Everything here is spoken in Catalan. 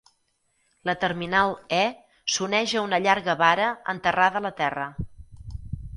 La terminal E s'uneix a una llarga vara enterrada a la terra.